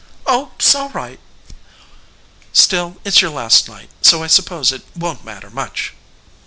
"Oh, 'sall right!" "Still it's your last night, so I suppose it won't matter much."